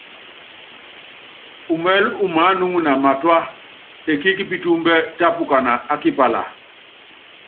Umɛlí umaánuŋuna matúá, ekííkí pitúúmbɛ tápukana á kipala.